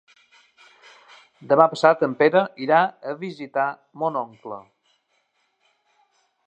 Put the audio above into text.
Demà passat en Pere irà a visitar mon oncle.